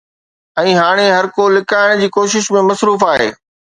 ۽ هاڻي هرڪو لڪائڻ جي ڪوشش ۾ مصروف آهي